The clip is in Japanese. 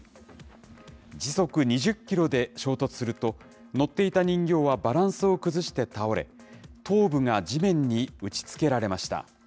時速２０キロで衝突すると、乗っていた人形はバランスを崩して倒れ、頭部が地面に打ちつけられました。